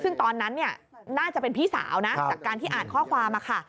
ซึ่งตอนนั้นน่าจะเป็นพี่สาวนะจากการที่อ่านข้อความ